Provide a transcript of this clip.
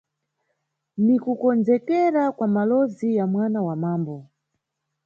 Ni kukonzekera kwa malowozi ya mwana wa mambo.